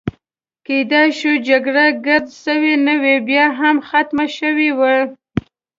کیدای شوه جګړه ګرد سره نه وي، یا هم ختمه شوې وي.